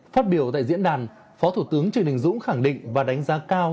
phát biểu tại diễn đàn phó thủ tướng trịnh đình dũng khẳng định và đánh giá cao